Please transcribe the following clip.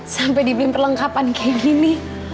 sampai dibeli perlengkapan kayak gini